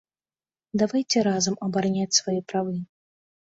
Давайце разам абараняць свае правы.